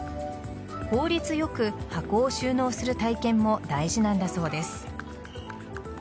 効率よく箱を収納する体験も大事なんだそうです。